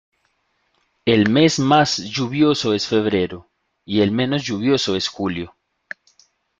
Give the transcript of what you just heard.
El mes más lluvioso es febrero y el menos lluvioso es julio.